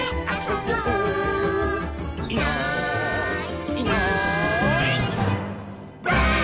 「いないいないばあっ！」